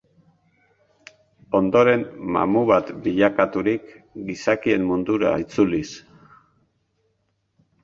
Ondoren, mamu bat bilakaturik, gizakien mundura itzuliz.